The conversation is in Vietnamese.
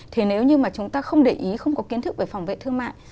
thì nếu như mà chúng ta không để ý không có kiến thức về phòng vệ thương mại